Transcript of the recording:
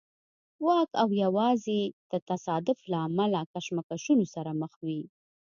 واک او یوازې د تصادف له امله له کشمکشونو سره مخ وي.